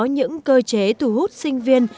những cơ chế thu hút sinh viên